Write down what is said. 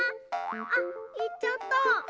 あっいっちゃった。